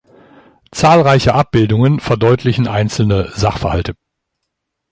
Zahlreiche Abbildungen verdeutlichen einzelne Sachverhalte.